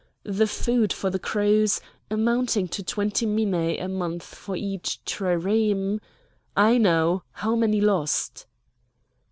The food for the crews, amounting to twenty minæ a month for each trireme—" "I know! How many lost?"